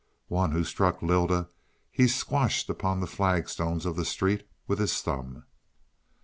One who struck Lylda, he squashed upon the flagstones of the street with his thumb.